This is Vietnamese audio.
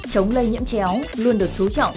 chống lây nhiễm chéo